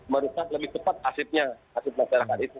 merusak lebih cepat asibnya asib masyarakat itu